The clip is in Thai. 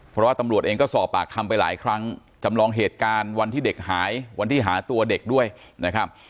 เพราะว่าตำรวจเองก็สอบปากคำไปหลายครั้งจำลองเหตุการณ์วันที่เด็กหายวันที่หาตัวเด็กด้วยนะครับ